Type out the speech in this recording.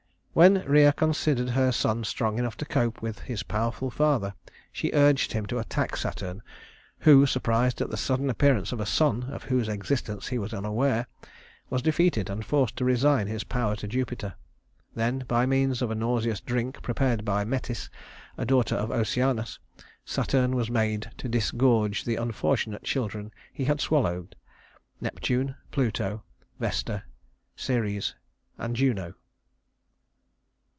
When Rhea considered her son strong enough to cope with his powerful father, she urged him to attack Saturn, who, surprised at the sudden appearance of a son of whose existence he was unaware, was defeated and forced to resign his power to Jupiter. Then by means of a nauseous drink prepared by Metis, a daughter of Oceanus, Saturn was made to disgorge the unfortunate children he had swallowed: Neptune, Pluto, Vesta, Ceres, and Juno.